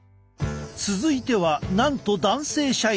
続いてはなんと男性社員！